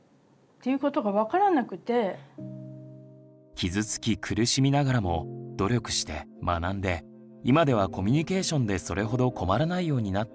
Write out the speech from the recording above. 傷つき苦しみながらも努力して学んで今ではコミュニケーションでそれほど困らないようになったといいます。